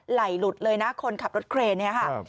ไหลหลุดเลยนะคนขับรถเครนเนี่ยค่ะ